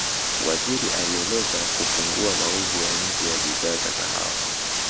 Waziri alieleza kupungua mauzo ya nje ya bidhaa za kahawa